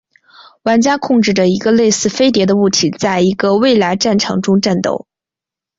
玩家控制着一个类似飞碟的物体在一个未来战场中战斗。